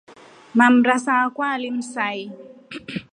Mwamrasa wakwa alimsai.